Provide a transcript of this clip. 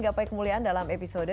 gapai kemuliaan dalam episode